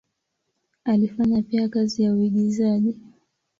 Alifanya pia kazi ya uigizaji.